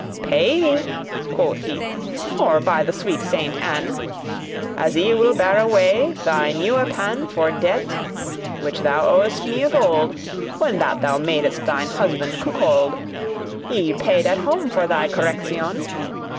"Pay me," quoth he, "or, by the sweet Saint Anne, As I will bear away thy newe pan For debte, which thou owest me of old, — When that thou madest thine husband cuckold, — I paid at home for thy correction."